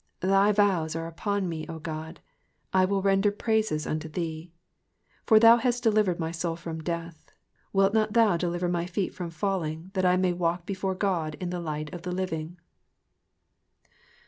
12 Thy vows are upon me, O God : I will render praises unto thee. 13 For thou hast delivered my soul from death: wilt not tkou deliver my feet from falling, that I may walk before God. in the light of the living